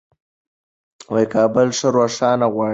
کابل ښه روښنايي غواړي.